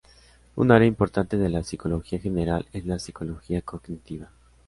Un área importante de la psicología general es la psicología cognitiva.